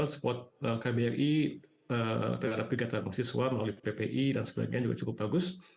support kbri terhadap kegiatan mahasiswa melalui ppi dan sebagainya juga cukup bagus